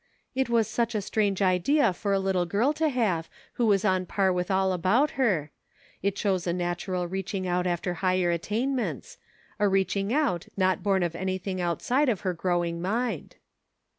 " It was such a strange idea for a little girl to have, who was on a par with all about her ; it shows a natural reaching out after higher attain ments — a reaching out not born of anything out side of her growing mind."